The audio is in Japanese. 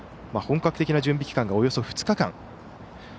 本格的な準備期間がおよそ２日間。